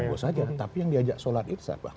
tidak apa apa saja tapi yang diajak sholat irsad pak